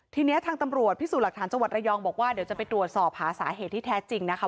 ทีนี้ทางตำรวจพิสูจน์หลักฐานจังหวัดระยองบอกว่าเดี๋ยวจะไปตรวจสอบหาสาเหตุที่แท้จริงนะคะ